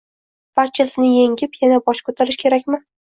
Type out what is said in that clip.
Barchasini yengib, yana bosh ko‘tarish kerakmi?